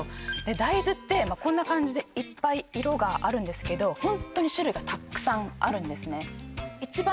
大豆ってこんな感じでいっぱい色があるんですけどホントに種類がたくさんあるんですね